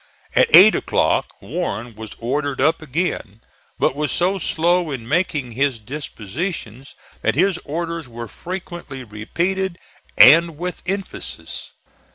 At eight o'clock Warren was ordered up again, but was so slow in making his dispositions that his orders were frequently repeated, and with emphasis.